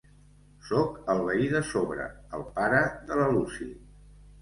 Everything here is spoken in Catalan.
Sóc el, el veí de sobre, el pare de la Lucy.